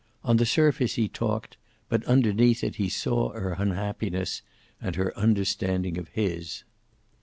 On the surface he talked, but underneath it he saw her unhappiness, and her understanding of his.